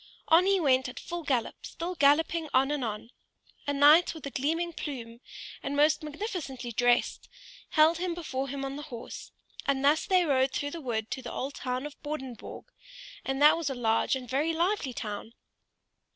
On he went at full gallop, still galloping on and on. A knight with a gleaming plume, and most magnificently dressed, held him before him on the horse, and thus they rode through the wood to the old town of Bordingborg, and that was a large and very lively town.